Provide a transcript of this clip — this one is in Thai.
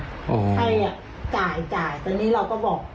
ให้จ่ายตอนนี้เราก็บอก